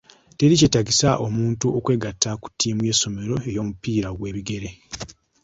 Teri kyetaagisa omuntu okwegatta ku ttiimu y'essomero ey'omupiira gw'ebigere.